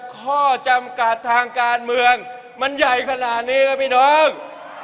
ข้อจำกัดทางการเมืองมันใหญ่ขนาดนี้ครับพี่น้อง